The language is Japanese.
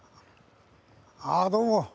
ああどうも。